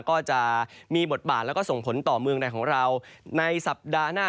ก็จะมีบทบาทแล้วก็ส่งผลต่อเมืองในของเราในสัปดาห์หน้า